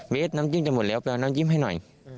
เมตรน้ำจิ้มจะหมดแล้วไปเอาน้ำยิ้มให้หน่อย